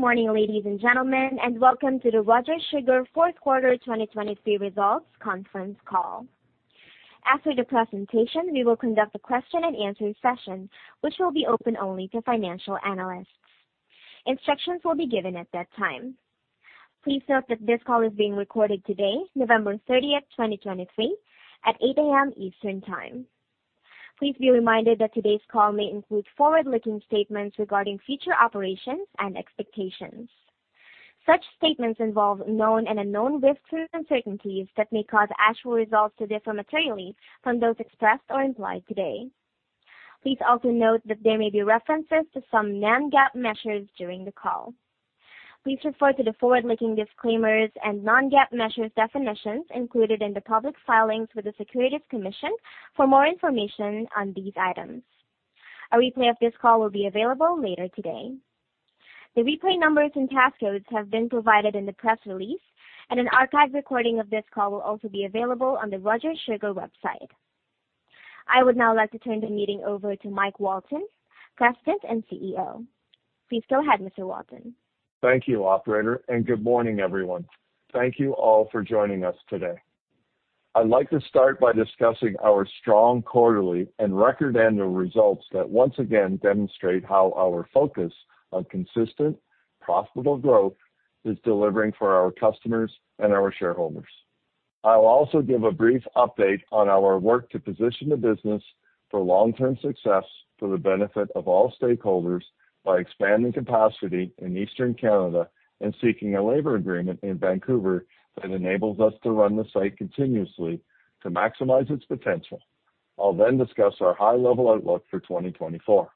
Good morning, ladies and gentlemen, and welcome to the Rogers Sugar Q4 2023 Results Conference Call. After the presentation, we will conduct a question-and-answer session, which will be open only to financial analysts. Instructions will be given at that time. Please note that this call is being recorded today, November 30, 2023, at 8:00 A.M. Eastern Time. Please be reminded that today's call may include forward-looking statements regarding future operations and expectations. Such statements involve known and unknown risks and uncertainties that may cause actual results to differ materially from those expressed or implied today. Please also note that there may be references to some non-GAAP measures during the call. Please refer to the forward-looking disclaimers and non-GAAP measures definitions included in the public filings with the Securities Commission for more information on these items. A replay of this call will be available later today. The replay numbers and passcodes have been provided in the press release, and an archived recording of this call will also be available on the Rogers Sugar website. I would now like to turn the meeting over to Mike Walton, President and CEO. Please go ahead, Mr. Walton. Thank you, operator, and good morning, everyone. Thank you all for joining us today. I'd like to start by discussing our strong quarterly and record annual results that once again demonstrate how our focus on consistent, profitable growth is delivering for our customers and our shareholders. I'll also give a brief update on our work to position the business for long-term success for the benefit of all stakeholders by expanding capacity in Eastern Canada and seeking a labor agreement in Vancouver that enables us to run the site continuously to maximize its potential. I'll then discuss our high-level outlook for 2024.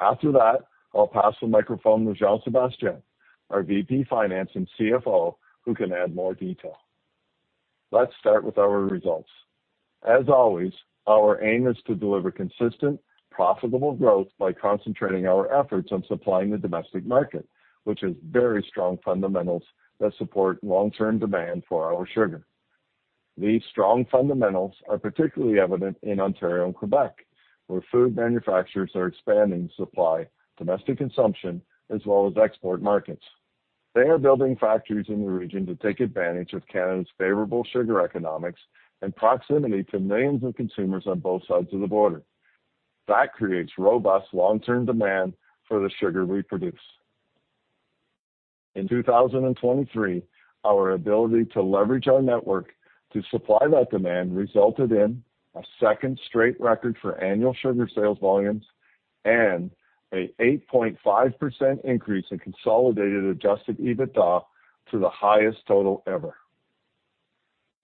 After that, I'll pass the microphone to Jean-Sébastien, our VP Finance and CFO, who can add more detail. Let's start with our results. As always, our aim is to deliver consistent, profitable growth by concentrating our efforts on supplying the domestic market, which has very strong fundamentals that support long-term demand for our sugar. These strong fundamentals are particularly evident in Ontario and Quebec, where food manufacturers are expanding supply, domestic consumption, as well as export markets. They are building factories in the region to take advantage of Canada's favorable sugar economics and proximity to millions of consumers on both sides of the border. That creates robust long-term demand for the sugar we produce. In 2023, our ability to leverage our network to supply that demand resulted in a second straight record for annual sugar sales volumes and an 8.5% increase in consolidated Adjusted EBITDA to the highest total ever.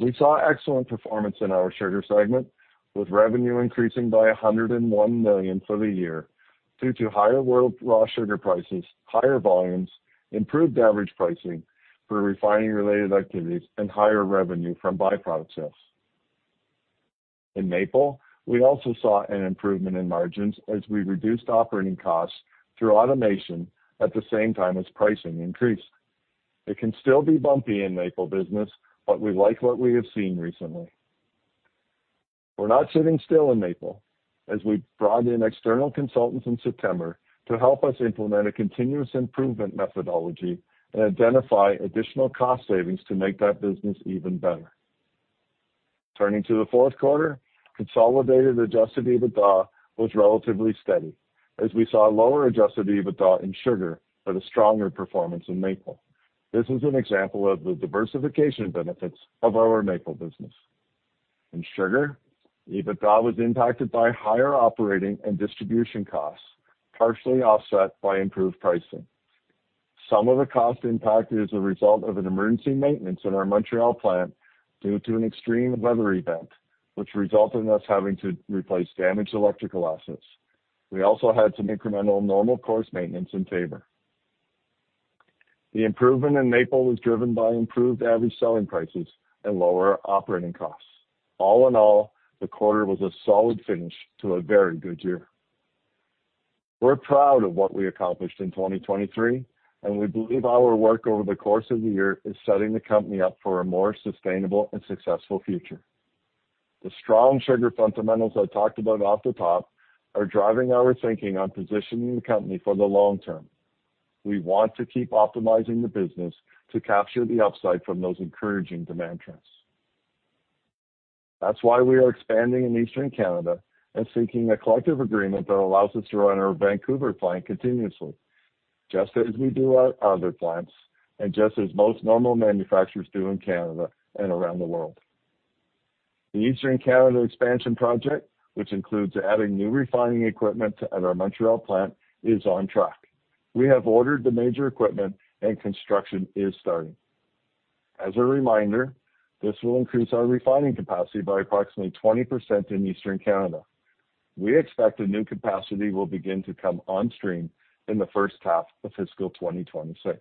We saw excellent performance in our sugar segment, with revenue increasing by 101 million for the year due to higher world raw sugar prices, higher volumes, improved average pricing for refining-related activities, and higher revenue from byproduct sales. In maple, we also saw an improvement in margins as we reduced operating costs through automation at the same time as pricing increased. It can still be bumpy in maple business, but we like what we have seen recently. We're not sitting still in maple, as we brought in external consultants in September to help us implement a continuous improvement methodology and identify additional cost savings to make that business even better. Turning to the Q4, consolidated Adjusted EBITDA was relatively steady, as we saw lower Adjusted EBITDA in sugar, but a stronger performance in maple. This is an example of the diversification benefits of our maple business. In sugar, EBITDA was impacted by higher operating and distribution costs, partially offset by improved pricing. Some of the cost impact is a result of an emergency maintenance in our Montreal plant due to an extreme weather event, which resulted in us having to replace damaged electrical assets. We also had some incremental normal course maintenance in Taber. The improvement in maple was driven by improved average selling prices and lower operating costs. All in all, the quarter was a solid finish to a very good year. We're proud of what we accomplished in 2023, and we believe our work over the course of the year is setting the company up for a more sustainable and successful future. The strong sugar fundamentals I talked about off the top are driving our thinking on positioning the company for the long term. We want to keep optimizing the business to capture the upside from those encouraging demand trends. That's why we are expanding in Eastern Canada and seeking a collective agreement that allows us to run our Vancouver plant continuously, just as we do our other plants and just as most normal manufacturers do in Canada and around the world. The Eastern Canada expansion project, which includes adding new refining equipment at our Montreal plant, is on track. We have ordered the major equipment, and construction is starting. As a reminder, this will increase our refining capacity by approximately 20% in Eastern Canada. We expect the new capacity will begin to come on stream in the first half of fiscal 2026.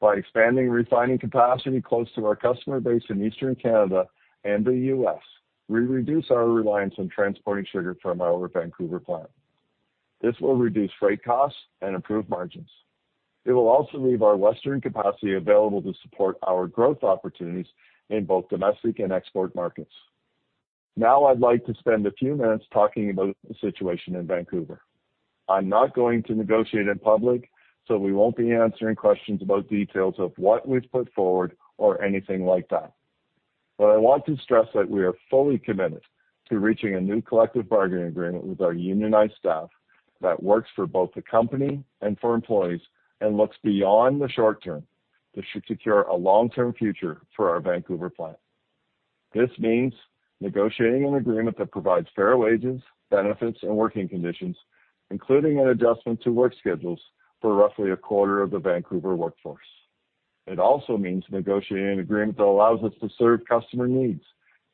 By expanding refining capacity close to our customer base in Eastern Canada and the U.S., we reduce our reliance on transporting sugar from our Vancouver plant. This will reduce freight costs and improve margins. It will also leave our western capacity available to support our growth opportunities in both domestic and export markets. Now I'd like to spend a few minutes talking about the situation in Vancouver. I'm not going to negotiate in public, so we won't be answering questions about details of what we've put forward or anything like that. I want to stress that we are fully committed to reaching a new collective bargaining agreement with our unionized staff that works for both the company and for employees, and looks beyond the short term to secure a long-term future for our Vancouver plant. This means negotiating an agreement that provides fair wages, benefits, and working conditions, including an adjustment to work schedules for roughly a quarter of the Vancouver workforce. It also means negotiating an agreement that allows us to serve customer needs,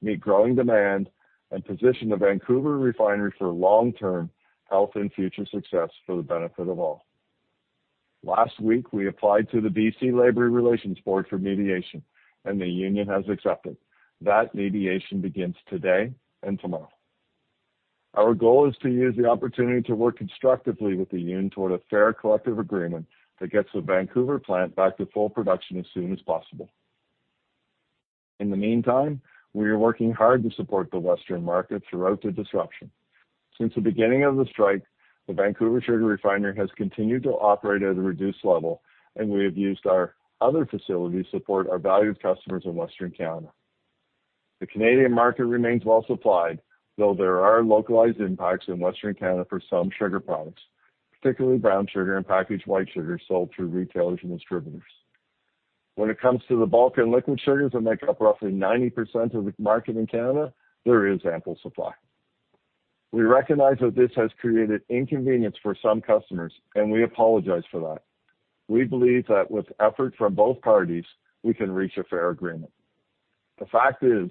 meet growing demand, and position the Vancouver refinery for long-term health and future success for the benefit of all. Last week, we applied to the BC Labour Relations Board for mediation, and the union has accepted. That mediation begins today and tomorrow. Our goal is to use the opportunity to work constructively with the union toward a fair collective agreement that gets the Vancouver plant back to full production as soon as possible. In the meantime, we are working hard to support the western market throughout the disruption. Since the beginning of the strike, the Vancouver Sugar Refinery has continued to operate at a reduced level, and we have used our other facilities to support our valued customers in Western Canada. The Canadian market remains well supplied, though there are localized impacts in Western Canada for some sugar products, particularly brown sugar and packaged white sugar sold through retailers and distributors. When it comes to the bulk and liquid sugars that make up roughly 90% of the market in Canada, there is ample supply. We recognize that this has created inconvenience for some customers, and we apologize for that. We believe that with effort from both parties, we can reach a fair agreement. The fact is,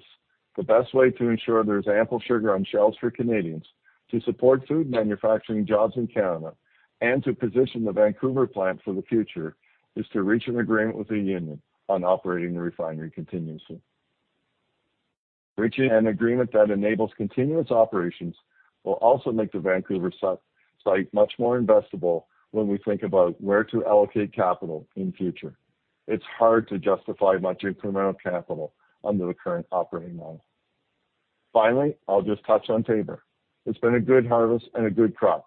the best way to ensure there is ample sugar on shelves for Canadians, to support food manufacturing jobs in Canada, and to position the Vancouver plant for the future, is to reach an agreement with the union on operating the refinery continuously. Reaching an agreement that enables continuous operations will also make the Vancouver site much more investable when we think about where to allocate capital in future. It's hard to justify much incremental capital under the current operating model. Finally, I'll just touch on Taber. It's been a good harvest and a good crop.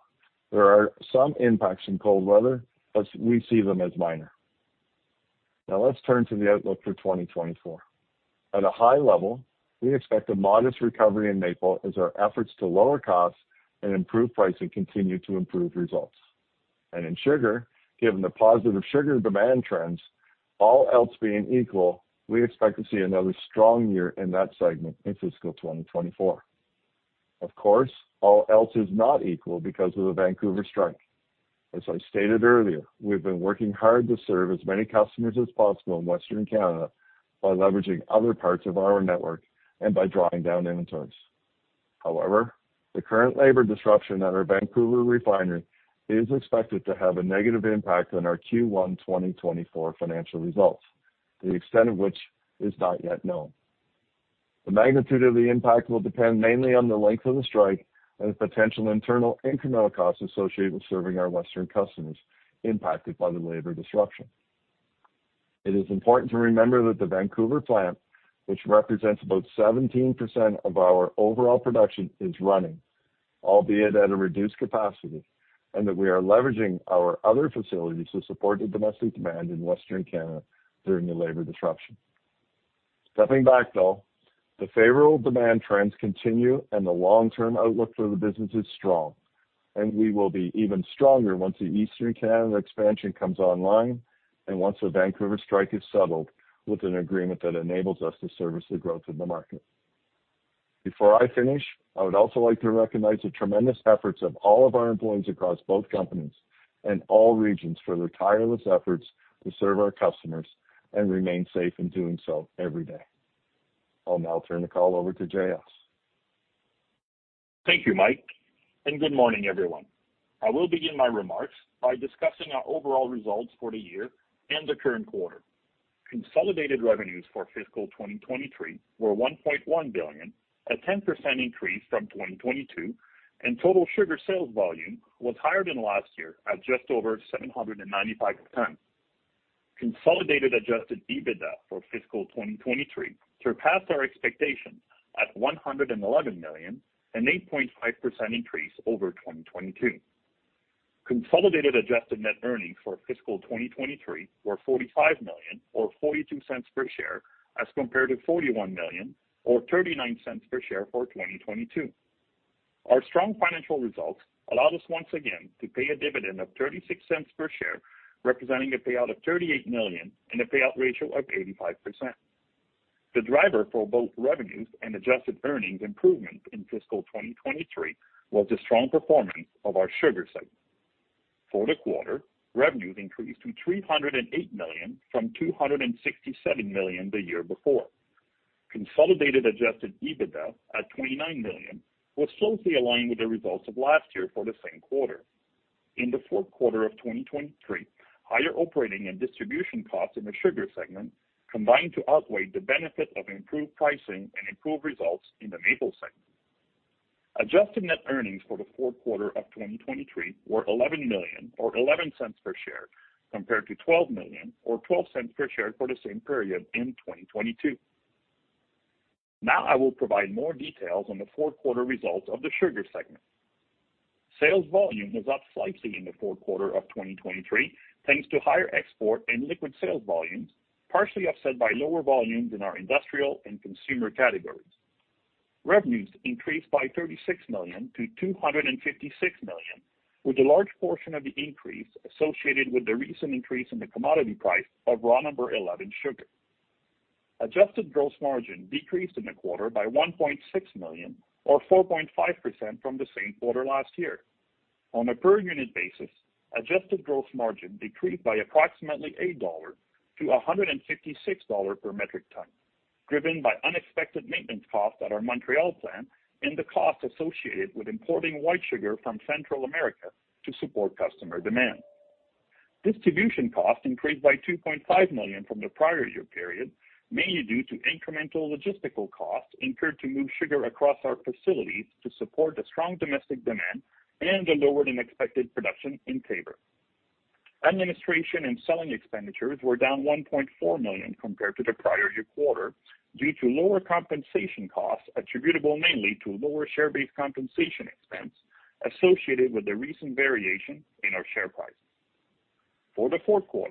There are some impacts in cold weather, but we see them as minor. Now, let's turn to the outlook for 2024. At a high level, we expect a modest recovery in maple as our efforts to lower costs and improve pricing continue to improve results. In sugar, given the positive sugar demand trends, all else being equal, we expect to see another strong year in that segment in fiscal 2024. Of course, all else is not equal because of the Vancouver strike. As I stated earlier, we've been working hard to serve as many customers as possible in Western Canada by leveraging other parts of our network and by drawing down inventories. However, the current labor disruption at our Vancouver refinery is expected to have a negative impact on our Q1 2024 financial results, the extent of which is not yet known. The magnitude of the impact will depend mainly on the length of the strike and the potential internal incremental costs associated with serving our western customers impacted by the labor disruption. It is important to remember that the Vancouver plant, which represents about 17% of our overall production, is running, albeit at a reduced capacity, and that we are leveraging our other facilities to support the domestic demand in Western Canada during the labor disruption. Stepping back, though, the favorable demand trends continue and the long-term outlook for the business is strong, and we will be even stronger once the Eastern Canada expansion comes online, and once the Vancouver strike is settled with an agreement that enables us to service the growth in the market. Before I finish, I would also like to recognize the tremendous efforts of all of our employees across both companies and all regions for their tireless efforts to serve our customers and remain safe in doing so every day. I'll now turn the call over to JS. Thank you, Mike, and good morning, everyone. I will begin my remarks by discussing our overall results for the year and the current quarter. Consolidated revenues for fiscal 2023 were 1.1 billion, a 10% increase from 2022, and total sugar sales volume was higher than last year at just over 795%. Consolidated Adjusted EBITDA for fiscal 2023 surpassed our expectations at 111 million, an 8.5% increase over 2022. Consolidated adjusted net earnings for fiscal 2023 were 45 million or 0.42 per share, as compared to 41 million or 0.39 per share for 2022. Our strong financial results allowed us once again to pay a dividend of 0.36 per share, representing a payout of 38 million and a payout ratio of 85%. The driver for both revenues and adjusted earnings improvement in fiscal 2023 was the strong performance of our sugar segment. For the quarter, revenues increased to 308 million from 267 million the year before. Consolidated adjusted EBITDA at 29 million was closely aligned with the results of last year for the same quarter. In the Q4 of 2023, higher operating and distribution costs in the sugar segment combined to outweigh the benefit of improved pricing and improved results in the maple segment.... Adjusted net earnings for the Q4 of 2023 were 11 million or 0.11 per share, compared to 12 million or 0.12 per share for the same period in 2022. Now I will provide more details on the Q4 results of the sugar segment. Sales volume was up slightly in the Q4 of 2023, thanks to higher export and liquid sales volumes, partially offset by lower volumes in our industrial and consumer categories. Revenues increased by 36 million to 256 million, with a large portion of the increase associated with the recent increase in the commodity price of raw Number 11 sugar. Adjusted gross margin decreased in the quarter by 1.6 million, or 4.5% from the same quarter last year. On a per unit basis, adjusted gross margin decreased by approximately CAD 8 to 156 dollars per metric ton, driven by unexpected maintenance costs at our Montreal plant and the costs associated with importing white sugar from Central America to support customer demand. Distribution costs increased by 2.5 million from the prior year period, mainly due to incremental logistical costs incurred to move sugar across our facilities to support the strong domestic demand and the lower-than-expected production in Taber. Administration and selling expenditures were down 1.4 million compared to the prior year quarter, due to lower compensation costs, attributable mainly to lower share-based compensation expense associated with the recent variation in our share price. For the Q4,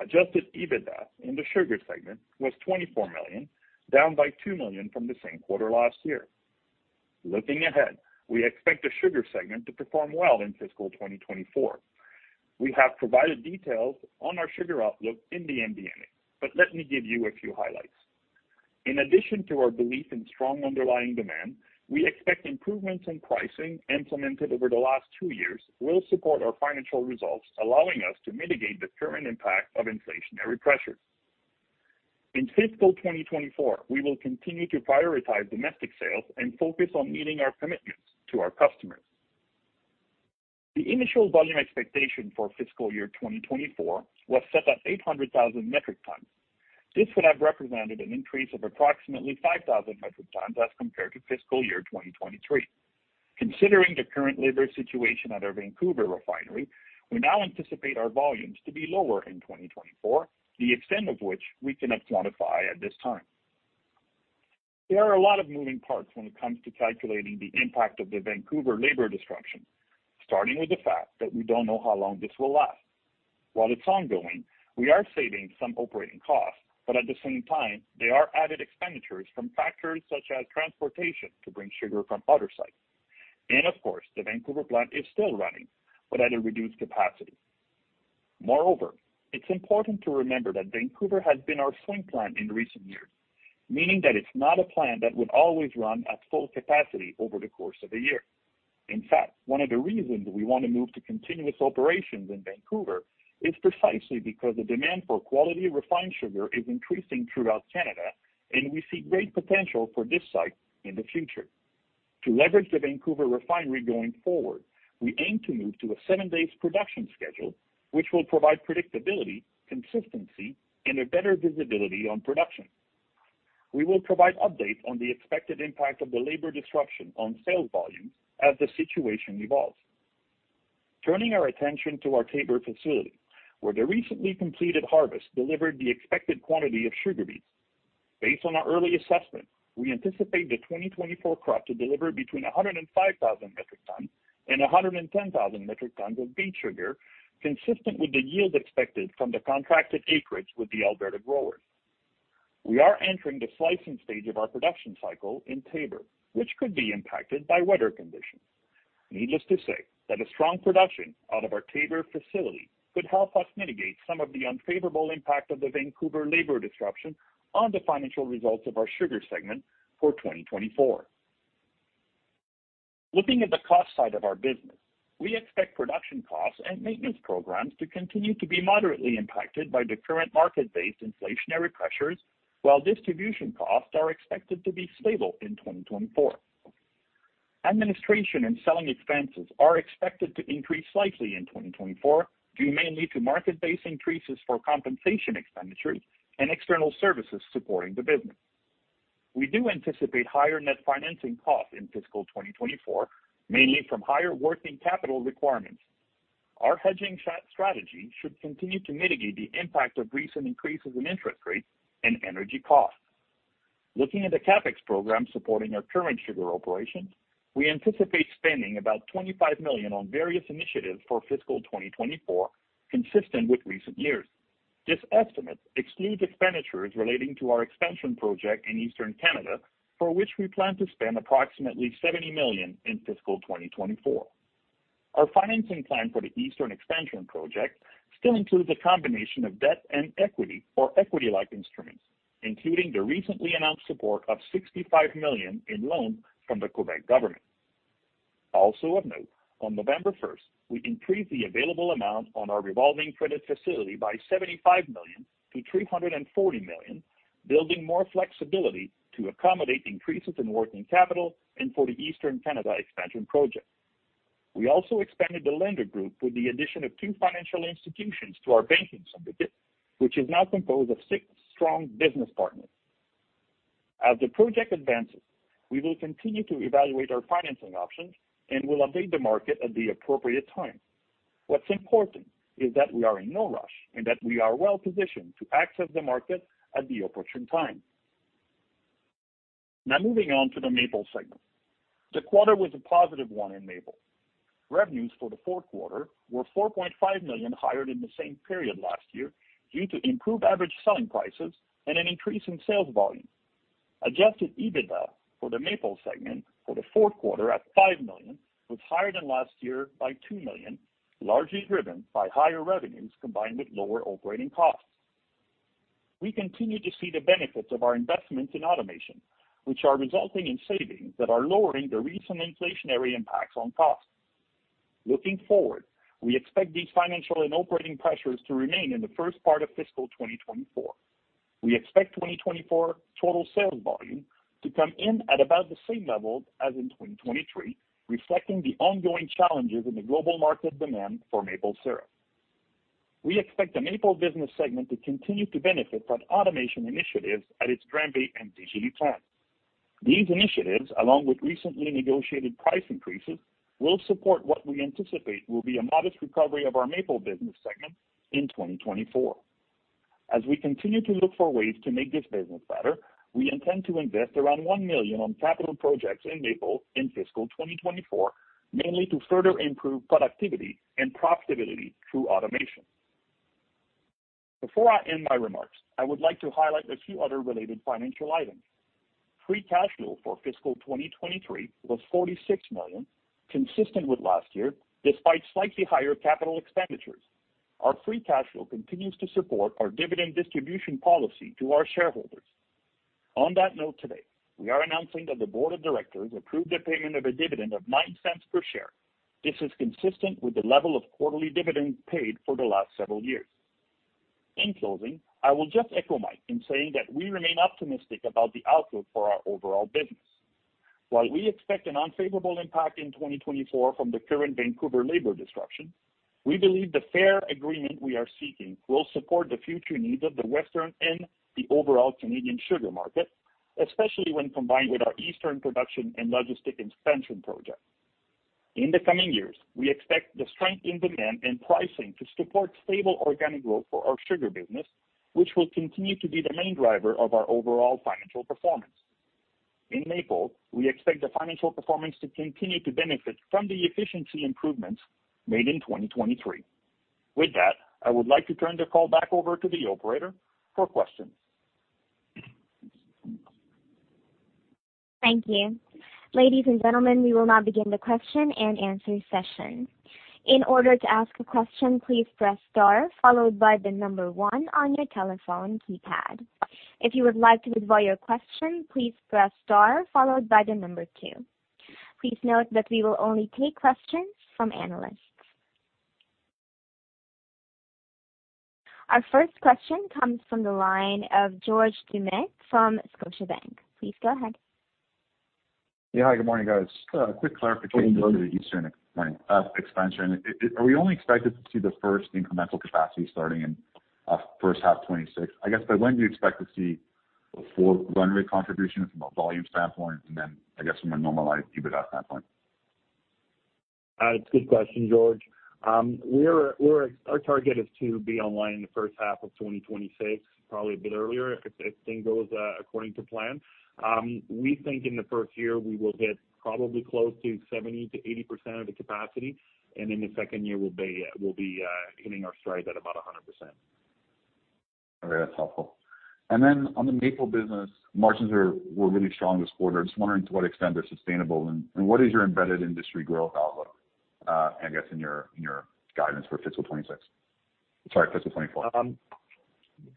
Adjusted EBITDA in the sugar segment was 24 million, down by 2 million from the same quarter last year. Looking ahead, we expect the sugar segment to perform well in fiscal 2024. We have provided details on our sugar outlook in the MD&A, but let me give you a few highlights. In addition to our belief in strong underlying demand, we expect improvements in pricing implemented over the last two years will support our financial results, allowing us to mitigate the current impact of inflationary pressures. In fiscal 2024, we will continue to prioritize domestic sales and focus on meeting our commitments to our customers. The initial volume expectation for fiscal year 2024 was set at 800,000 metric tons. This would have represented an increase of approximately 5,000 metric tons as compared to fiscal year 2023. Considering the current labor situation at our Vancouver refinery, we now anticipate our volumes to be lower in 2024, the extent of which we cannot quantify at this time. There are a lot of moving parts when it comes to calculating the impact of the Vancouver labor disruption, starting with the fact that we don't know how long this will last. While it's ongoing, we are saving some operating costs, but at the same time, there are added expenditures from factors such as transportation to bring sugar from other sites. And of course, the Vancouver plant is still running, but at a reduced capacity. Moreover, it's important to remember that Vancouver has been our swing plant in recent years, meaning that it's not a plant that would always run at full capacity over the course of a year. In fact, one of the reasons we want to move to continuous operations in Vancouver is precisely because the demand for quality refined sugar is increasing throughout Canada, and we see great potential for this site in the future. To leverage the Vancouver refinery going forward, we aim to move to a seven-day production schedule, which will provide predictability, consistency, and a better visibility on production. We will provide updates on the expected impact of the labor disruption on sales volume as the situation evolves. Turning our attention to our Taber facility, where the recently completed harvest delivered the expected quantity of sugar beets. Based on our early assessment, we anticipate the 2024 crop to deliver between 105,000 metric tons and 110,000 metric tons of beet sugar, consistent with the yield expected from the contracted acreage with the Alberta growers. We are entering the slicing stage of our production cycle in Taber, which could be impacted by weather conditions. Needless to say, that a strong production out of our Taber facility could help us mitigate some of the unfavorable impact of the Vancouver labor disruption on the financial results of our sugar segment for 2024. Looking at the cost side of our business, we expect production costs and maintenance programs to continue to be moderately impacted by the current market-based inflationary pressures, while distribution costs are expected to be stable in 2024. Administration and selling expenses are expected to increase slightly in 2024, due mainly to market-based increases for compensation expenditures and external services supporting the business. We do anticipate higher net financing costs in fiscal 2024, mainly from higher working capital requirements. Our hedging strategy should continue to mitigate the impact of recent increases in interest rates and energy costs. Looking at the CapEx program supporting our current sugar operations, we anticipate spending about 25 million on various initiatives for fiscal 2024, consistent with recent years. This estimate excludes expenditures relating to our expansion project in Eastern Canada, for which we plan to spend approximately 70 million in fiscal 2024. Our financing plan for the Eastern expansion project still includes a combination of debt and equity or equity-like instruments, including the recently announced support of 65 million in loan from the Quebec government. Also of note, on November first, we increased the available amount on our revolving credit facility by 75 million to 340 million, building more flexibility to accommodate increases in working capital and for the Eastern Canada expansion project. We also expanded the lender group with the addition of two financial institutions to our banking syndicate, which is now composed of six strong business partners. As the project advances, we will continue to evaluate our financing options and will update the market at the appropriate time. What's important is that we are in no rush and that we are well positioned to access the market at the opportune time. Now, moving on to the Maple segment. The quarter was a positive one in Maple. Revenues for the Q4 were 4.5 million, higher than the same period last year, due to improved average selling prices and an increase in sales volume. Adjusted EBITDA for the Maple segment for the Q4 at 5 million, was higher than last year by 2 million, largely driven by higher revenues combined with lower operating costs. We continue to see the benefits of our investments in automation, which are resulting in savings that are lowering the recent inflationary impacts on costs. Looking forward, we expect these financial and operating pressures to remain in the first part of fiscal 2024. We expect 2024 total sales volume to come in at about the same level as in 2023, reflecting the ongoing challenges in the global market demand for maple syrup. We expect the Maple business segment to continue to benefit from automation initiatives at its Granby and Degelis plants. These initiatives, along with recently negotiated price increases, will support what we anticipate will be a modest recovery of our Maple business segment in 2024. As we continue to look for ways to make this business better, we intend to invest around 1 million on capital projects in Maple in fiscal 2024, mainly to further improve productivity and profitability through automation. Before I end my remarks, I would like to highlight a few other related financial items. Free cash flow for fiscal 2023 was 46 million, consistent with last year, despite slightly higher capital expenditures. Our free cash flow continues to support our dividend distribution policy to our shareholders. On that note, today, we are announcing that the board of directors approved the payment of a dividend of 0.09 per share. This is consistent with the level of quarterly dividends paid for the last several years. In closing, I will just echo Mike in saying that we remain optimistic about the outlook for our overall business. While we expect an unfavorable impact in 2024 from the current Vancouver labor disruption, we believe the fair agreement we are seeking will support the future needs of the Western and the overall Canadian sugar market, especially when combined with our Eastern production and logistics expansion project. In the coming years, we expect the strength in demand and pricing to support stable organic growth for our sugar business, which will continue to be the main driver of our overall financial performance. In Maple, we expect the financial performance to continue to benefit from the efficiency improvements made in 2023. With that, I would like to turn the call back over to the operator for questions. Thank you. Ladies and gentlemen, we will now begin the question and answer session. In order to ask a question, please press star followed by the number one on your telephone keypad. If you would like to withdraw your question, please press star followed by the number two. Please note that we will only take questions from analysts. Our first question comes from the line of George Doumet from Scotiabank. Please go ahead. Yeah. Hi, good morning, guys. Quick clarification to the Eastern expansion. Are we only expected to see the first incremental capacity starting in first half 2026? I guess, by when do you expect to see a full run rate contribution from a volume standpoint, and then I guess from a normalized EBITDA standpoint? It's a good question, George. Our target is to be online in the first half of 2026, probably a bit earlier, if things goes according to plan. We think in the first year we will hit probably close to 70%-80% of the capacity, and in the second year, we'll be hitting our stride at about 100%. Okay, that's helpful. And then on the Maple business, margins are, were really strong this quarter. I'm just wondering to what extent they're sustainable and what is your embedded industry growth outlook, I guess in your, in your guidance for fiscal 2026? Sorry, fiscal 2024.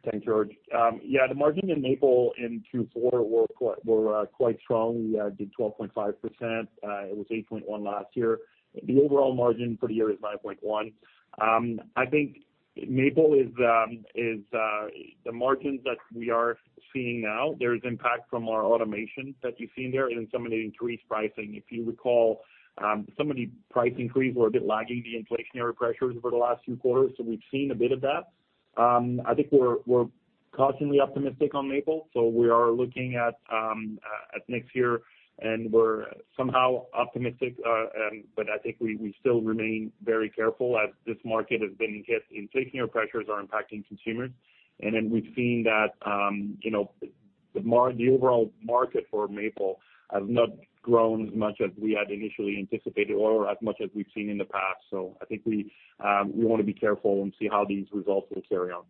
Thanks, George. Yeah, the margin in Maple in Q4 were quite strong. We did 12.5%. It was 8.1 last year. The overall margin for the year is 9.1%. I think Maple is the margins that we are seeing now, there is impact from our automation that you've seen there and some of the increased pricing. If you recall, some of the price increases were a bit lagging the inflationary pressures over the last few quarters, so we've seen a bit of that. I think we're cautiously optimistic on Maple, so we are looking at next year, and we're somehow optimistic. But I think we still remain very careful as this market has been hit, inflationary pressures are impacting consumers. Then we've seen that, you know, the overall market for Maple has not grown as much as we had initially anticipated or as much as we've seen in the past. So I think we, we want to be careful and see how these results will carry on.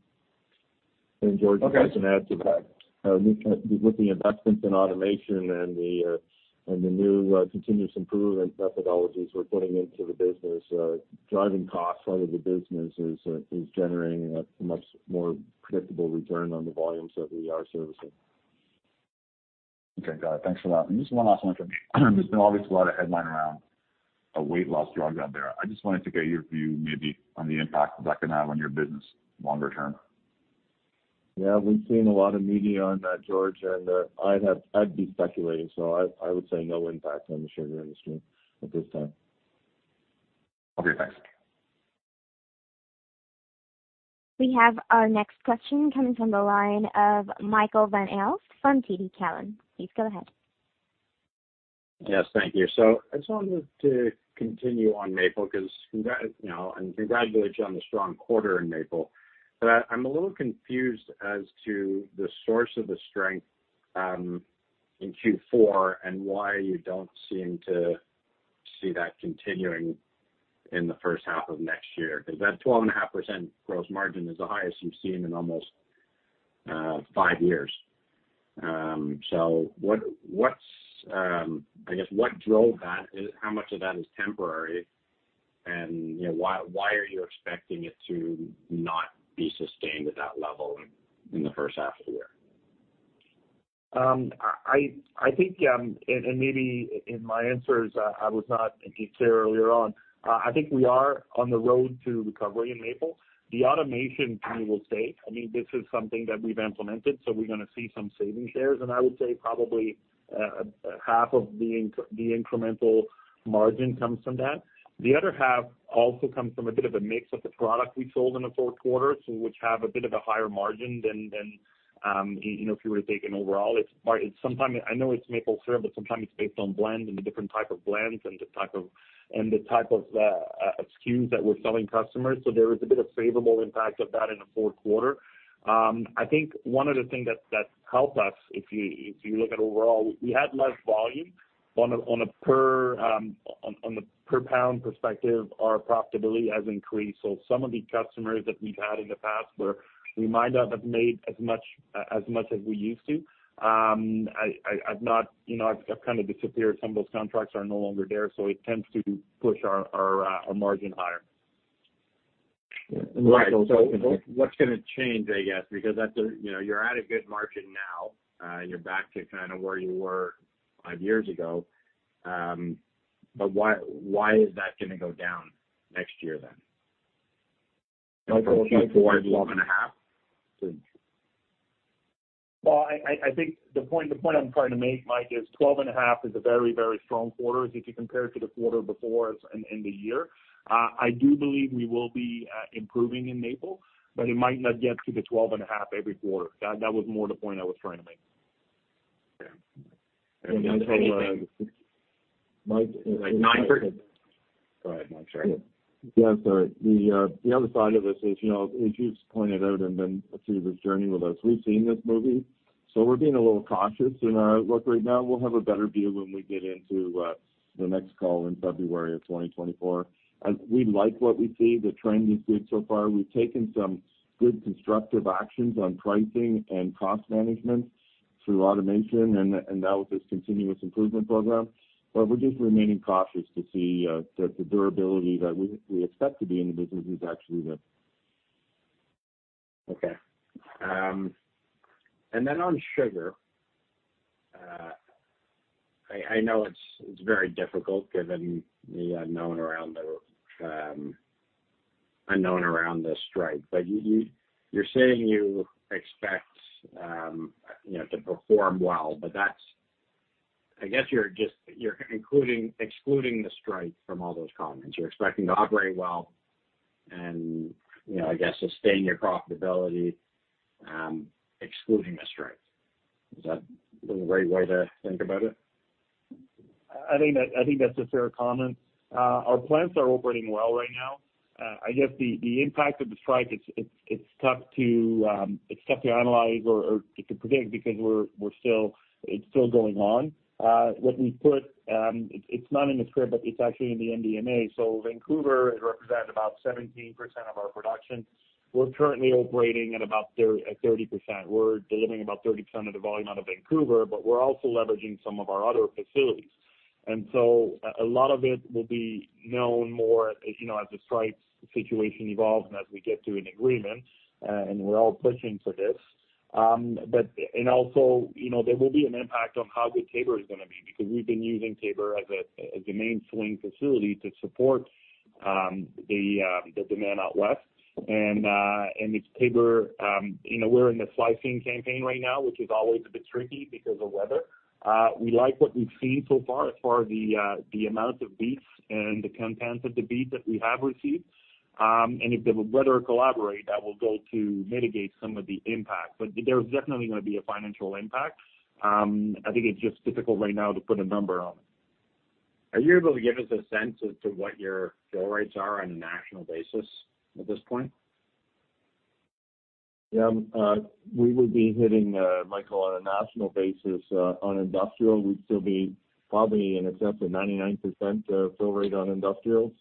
Okay. George, just to add to that, with the investments in automation and the new continuous improvement methodologies we're putting into the business, driving costs out of the business is generating a much more predictable return on the volumes that we are servicing. Okay, got it. Thanks for that. Just one last one for me. There's been obviously a lot of headlines around a weight loss drug out there. I just wanted to get your view, maybe on the impact that could have on your business longer term.... Yeah, we've seen a lot of media on that, George, and I'd be speculating, so I would say no impact on the sugar industry at this time. Okay, thanks. We have our next question coming from the line of Michael Van Aelst from TD Cowen. Please go ahead. Yes, thank you. So I just wanted to continue on maple because you know, and congratulate you on the strong quarter in maple. But I, I'm a little confused as to the source of the strength in Q4, and why you don't seem to see that continuing in the first half of next year. Because that 12.5% gross margin is the highest you've seen in almost five years. So what, what's I guess, what drove that, and how much of that is temporary? And, you know, why, why are you expecting it to not be sustained at that level in the first half of the year? I think maybe in my answers, I was not maybe clear earlier on. I think we are on the road to recovery in maple. The automation, I will say, I mean, this is something that we've implemented, so we're gonna see some savings there. I would say probably half of the incremental margin comes from that. The other half also comes from a bit of a mix of the product we sold in the Q4, so which have a bit of a higher margin than you know, if you were taking overall. It's sometimes, I know it's maple syrup, but sometimes it's based on blend, and the different type of blends and the type of, and the type of SKUs that we're selling customers. There is a bit of favorable impact of that in the Q4. I think one of the things that's helped us, if you look at overall, we had less volume on a per pound perspective, our profitability has increased. So some of the customers that we've had in the past where we might not have made as much as we used to, have kind of disappeared. Some of those contracts are no longer there, so it tends to push our margin higher. Right. So what, what's gonna change, I guess? Because that's a... You know, you're at a good margin now. You're back to kind of where you were five years ago. But why, why is that gonna go down next year then? From 12.5? Well, I think the point, the point I'm trying to make, Mike, is 12.5 is a very, very strong quarter. If you compare it to the quarter before in the year. I do believe we will be improving in maple, but it might not get to the 12.5 every quarter. That, that was more the point I was trying to make. Okay. Mike? Go ahead, Mike, sorry. Yeah, sorry. The other side of this is, you know, as you've pointed out and been through this journey with us, we've seen this movie, so we're being a little cautious in our outlook right now. We'll have a better view when we get into the next call in February of 2024. As we like what we see, the trend is good so far. We've taken some good constructive actions on pricing and cost management through automation and now with this continuous improvement program. But we're just remaining cautious to see the durability that we expect to be in the business is actually there. Okay. And then on sugar, I know it's very difficult given the unknown around the unknown around the strike. But you're saying you expect, you know, to perform well, but that's... I guess you're just including—excluding the strike from all those comments. You're expecting to operate well and, you know, I guess sustain your profitability, excluding the strike. Is that the right way to think about it? I think that, I think that's a fair comment. Our plants are operating well right now. I guess the impact of the strike, it's tough to analyze or to predict because we're still, it's still going on. What we've put, it's not in the script, but it's actually in the MD&A, so Vancouver is represented about 17% of our production. We're currently operating at about 30%. We're delivering about 30% of the volume out of Vancouver, but we're also leveraging some of our other facilities, o a lot of it will be known more as the strike situation evolves and as we get to an agreement, and we're all pushing for this. Also, you know, there will be an impact on how good Taber is gonna be, because we've been using Taber as the main swing facility to support the demand out west. And it's Taber, you know, we're in the slicing campaign right now, which is always a bit tricky because of weather. We like what we've seen so far as far as the amount of beets and the contents of the beet that we have received. If the weather collaborates, that will go to mitigate some of the impact, but there's definitely going to be a financial impact. I think it's just difficult right now to put a number on it. Are you able to give us a sense as to what your fill rates are on a national basis at this point? Yeah, we would be hitting, Michael, on a national basis, on industrial. We'd still be probably in excess of 99% fill rate on industrial.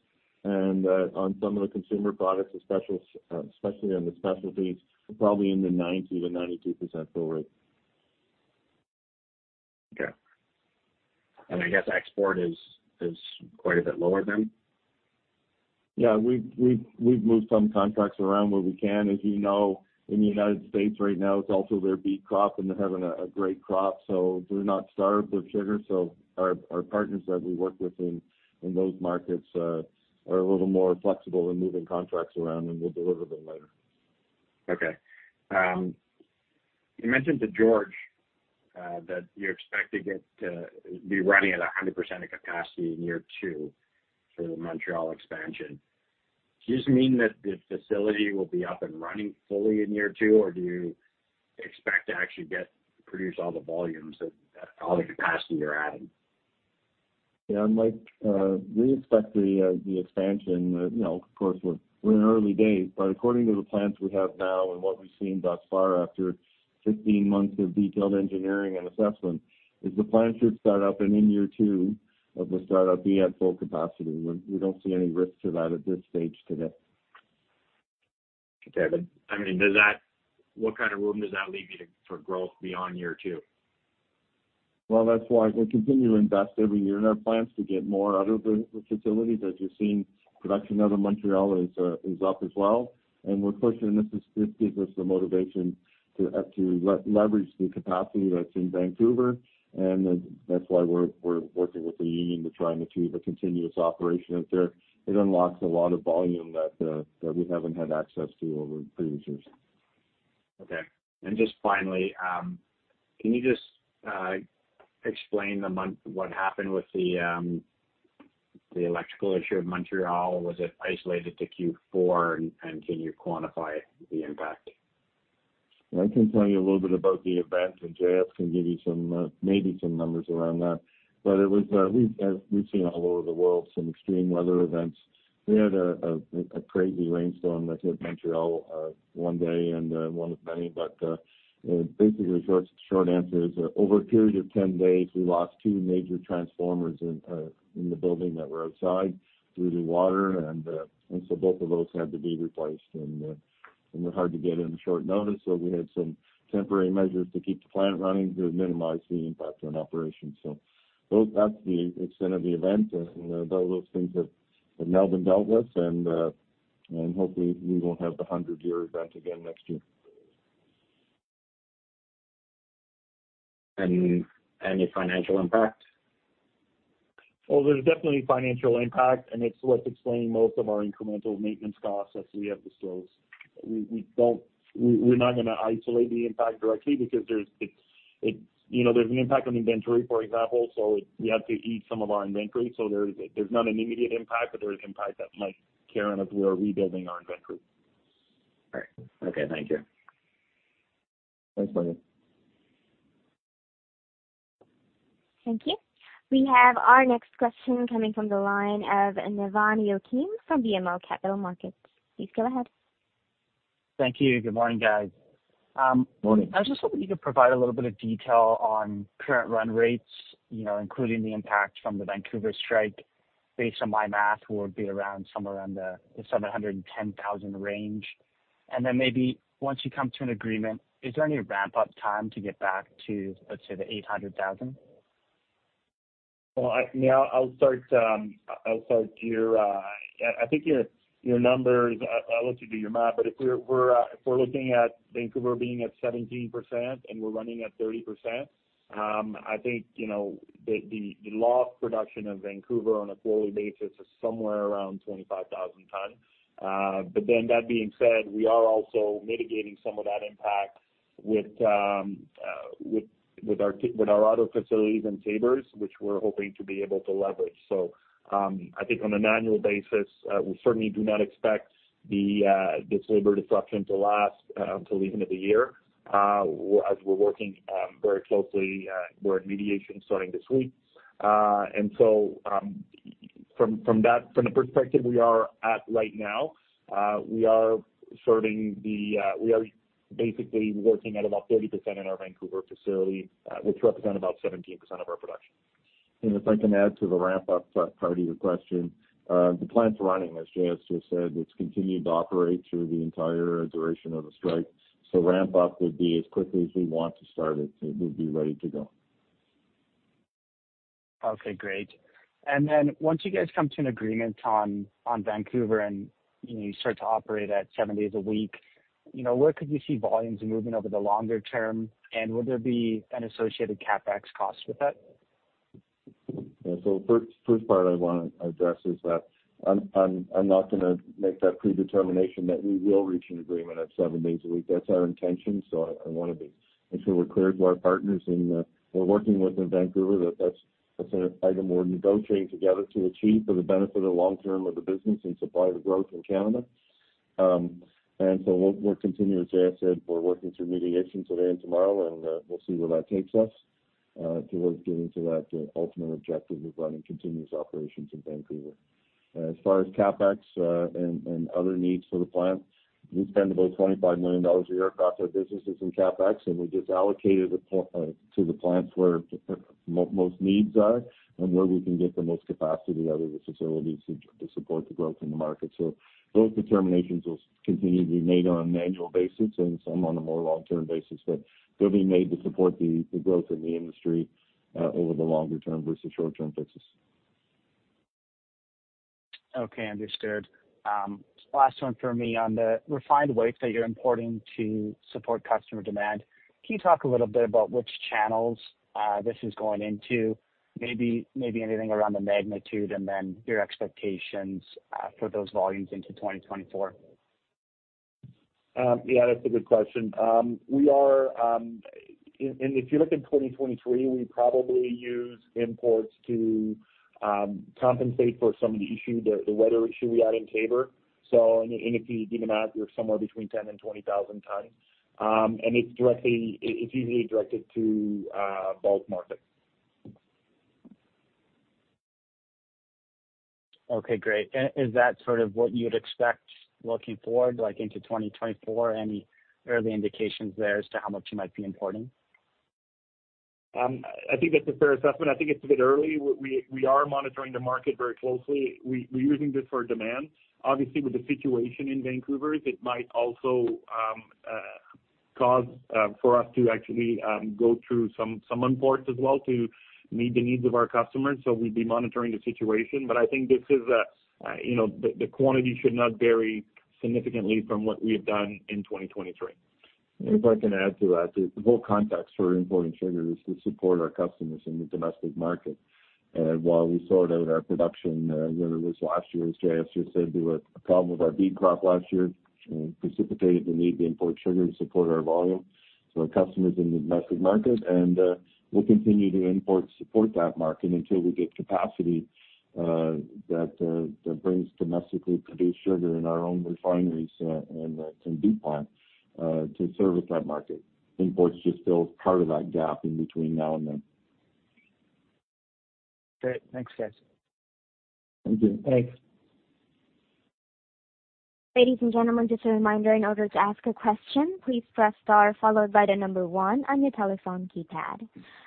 And, on some of the consumer products, especially, especially on the specialties, probably in the 90%-92% fill rate. Okay. I guess export is quite a bit lower than? Yeah, we've moved some contracts around where we can. As you know, in the United States right now, it's also their beet crop, and they're having a great crop, so they're not starved for sugar. So our partners that we work with in those markets are a little more flexible in moving contracts around, and we'll deliver them later. Okay. You mentioned to George that you expect to get, be running at 100% of capacity in year two for the Montreal expansion. Does this mean that the facility will be up and running fully in year two, or do you expect to actually get, produce all the volumes that, all the capacity you're adding? Yeah, Mike, we expect the, the expansion, you know, of course, we're, we're in early days, but according to the plans we have now and what we've seen thus far after 15 months of detailed engineering and assessment, is the plan should start up and in year two of the startup, be at full capacity. We, we don't see any risk to that at this stage today. Okay. But I mean, does that—what kind of room does that leave you to, for growth beyond year two? Well, that's why we continue to invest every year in our plans to get more out of the facility. As you've seen, production out of Montreal is up as well, and we're pushing, and this gives us the motivation to leverage the capacity that's in Vancouver. And that's why we're working with the union to try and achieve a continuous operation out there. It unlocks a lot of volume that we haven't had access to over previous years. Okay. Finally, can you just explain the month, what happened with the, the electrical issue of Montreal? Was it isolated to Q4, and, and can you quantify the impact? I can tell you a little bit about the event, and JS can give you some, maybe some numbers around that. But it was, as we've seen all over the world, some extreme weather events. We had a crazy rainstorm that hit Montreal one day, and one of many, but basically, short answer is, over a period of 10 days, we lost two major transformers in the building that were outside due to water, so both of those had to be replaced, and they're hard to get in short notice, so we had some temporary measures to keep the plant running to minimize the impact on operations. That's the extent of the event, and those things that Melvin dealt with, and hopefully, we won't have the hundred-year event again next year. Any financial impact? Well, there's definitely financial impact, and it's what's explaining most of our incremental maintenance costs as we have the slows. We don't. We're not gonna isolate the impact directly because, you know, there's an impact on inventory, for example, so we have to heed some of our inventory. So there's not an immediate impact, but there's impact that might carry on as we are rebuilding our inventory. All right. Okay, thank you. Thanks, Mike. Thank you. We have our next question coming from the line of Nauman Rahim from BMO Capital Markets. Please go ahead. Thank you. Good morning, guys. I was just hoping you could provide a little bit of detail on current run rates, you know, including the impact from the Vancouver strike. Based on my math, would be around, somewhere around the, the 710,000 range. And then maybe once you come to an agreement, is there any ramp-up time to get back to, let's say, the 800,000? Well, I'll start here. I think your numbers, I'll let you do your math, but if we're looking at Vancouver being at 17% and we're running at 30%, I think the lost production of Vancouver on a quarterly basis is somewhere around 25,000 tons. But then that being said, we are also mitigating some of that impact with our other facilities in Taber, which we're hoping to be able to leverage. I think on an annual basis, we certainly do not expect this labor disruption to last till the end of the year, as we're working very closely, we're in mediation starting this week. From that perspective we are at right now, We are basically working at about 30% in our Vancouver facility, which represent about 17% of our production. If I can add to the ramp-up part of your question, the plant's running, as JS just said, it's continued to operate through the entire duration of the strike. So ramp up would be as quickly as we want to start it. It would be ready to go. Okay, great. And then once you guys come to an agreement on, on Vancouver and, you know, you start to operate at seven days a week, you know, where could you see volumes moving over the longer term, and would there be an associated CapEx cost with that? Yeah. First, the first part I want to address is that I'm not gonna make that predetermination that we will reach an agreement at seven days a week. That's our intention, so I want to make sure we're clear to our partners, and we're working within Vancouver, that that's an item we're negotiating together to achieve for the benefit of long term of the business and supply the growth in Canada. So we'll continue, as JS said, we're working through mediation today and tomorrow, and we'll see where that takes us towards getting to that ultimate objective of running continuous operations in Vancouver. As far as CapEx and other needs for the plant, we spend about 25 million dollars a year across our businesses in CapEx, and we just allocated to the plants where most needs are and where we can get the most capacity out of the facilities to support the growth in the market. Those determinations will continue to be made on an annual basis and some on a more long-term basis, but they'll be made to support the growth in the industry over the longer term versus short-term fixes. Okay, understood. Last one for me. On the refined white that you're importing to support customer demand, can you talk a little bit about which channels this is going into? Maybe, maybe anything around the magnitude and then your expectations for those volumes into 2024. Yeah, that's a good question. We are, and if you look in 2023, we probably use imports to compensate for some of the issue, the weather issue we had in Taber. So if you, you know, we're somewhere between 10 and 20,000 tons. It's directly, it's usually directed to bulk market. Okay, great. Is that sort of what you'd expect looking forward, like into 2024? Any early indications there as to how much you might be importing? I think that's a fair assessment. I think it's a bit early. We are monitoring the market very closely. We're using this for demand. Obviously, with the situation in Vancouver, it might also cause for us to actually go through some imports as well to meet the needs of our customers. So we'd be monitoring the situation, but I think this is a, you know, the quantity should not vary significantly from what we have done in 2023. If I can add to that, the whole context for importing sugar is to support our customers in the domestic market. While we sort out our production, whether it was last year, as Jay just said, we had a problem with our beet crop last year, precipitated the need to import sugar to support our volume. So our customers in the domestic market, and, we'll continue to import to support that market until we get capacity, that that brings domestically produced sugar in our own refineries, and, from beet plant, to service that market. Imports just fills part of that gap in between now and then. Great. Thanks, guys. Thank you. Thanks. Ladies and gentlemen, just a reminder, in order to ask a question, please press star, followed by the number one on your telephone keypad.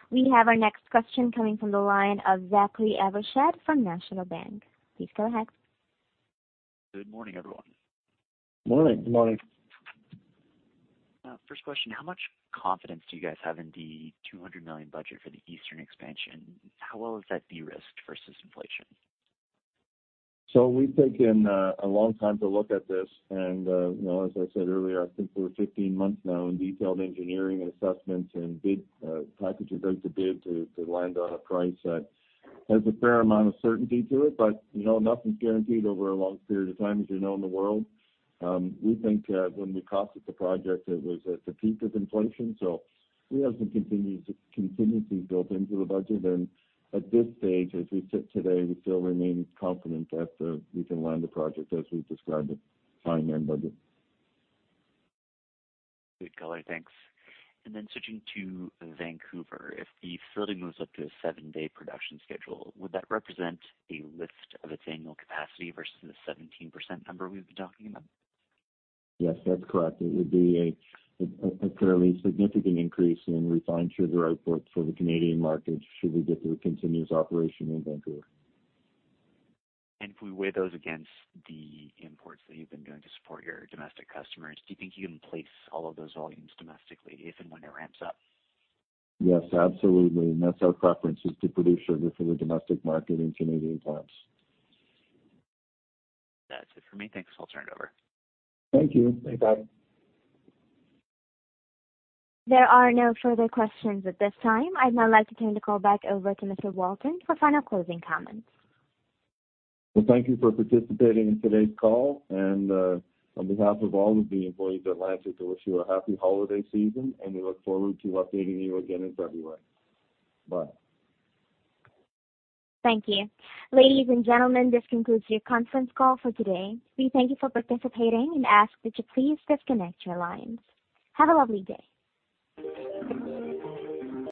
We have our next question coming from the line of Zachary Evershed from National Bank. Please go ahead. Good morning, everyone. Morning. Morning. First question, how much confidence do you guys have in the 200 million budget for the Eastern expansion? How well is that de-risked versus inflation? So we've taken a long time to look at this, and you know, as I said earlier, I think we're 15 months now in detailed engineering and assessments and bid packages out to bid to land on a price that has a fair amount of certainty to it. But you know, nothing's guaranteed over a long period of time, as you know, in the world. We think that when we costed the project, it was at the peak of inflation, so we have some continued contingency built into the budget. And at this stage, as we sit today, we still remain confident that we can land the project as we've described it, on time and budget. Good color, thanks. And then switching to Vancouver, if the facility moves up to a 7-day production schedule, would that represent a lift of its annual capacity versus the 17% number we've been talking about? Yes, that's correct. It would be a fairly significant increase in refined sugar output for the Canadian market, should we get to a continuous operation in Vancouver. If we weigh those against the imports that you've been doing to support your domestic customers, do you think you can place all of those volumes domestically if and when it ramps up? Yes, absolutely. And that's our preference, is to produce sugar for the domestic market in Canadian plants. That's it for me. Thanks. I'll turn it over. Thank you. Thanks, bye. There are no further questions at this time. I'd now like to turn the call back over to Mr. Walton for final closing comments. Well, thank you for participating in today's call, and, on behalf of all of the employees at Lantic, to wish you a happy holiday season, and we look forward to updating you again in February. Bye. Thank you. Ladies and gentlemen, this concludes your conference call for today. We thank you for participating and ask that you please disconnect your lines. Have a lovely day.